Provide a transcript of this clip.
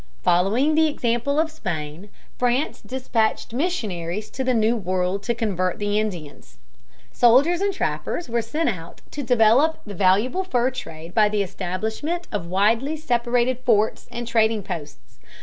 Following the example of Spain, France dispatched missionaries to the New World to convert the Indians. Soldiers and trappers were sent out to develop the valuable fur trade by the establishment of widely separated forts and trading posts.